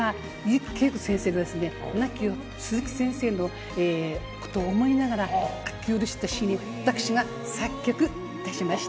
木圭子先生が亡き夫・鈴木先生のことを思いながら書き下ろした詞を私が作曲いたしました。